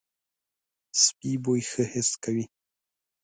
سپي بوی ښه حس کوي.